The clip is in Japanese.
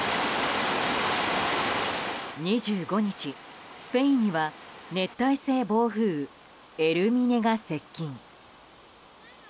２５日、スペインには熱帯性暴風雨エルミネが接近。